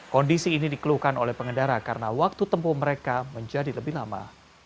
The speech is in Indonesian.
kondisi ini dikeluhkan oleh pengendara karena waktu tempuh mereka menjadi lebih lama